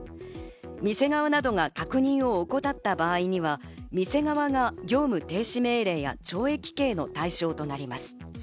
店側などが確認を怠った場合には、店側が業務停止命令や懲役刑の対象となります。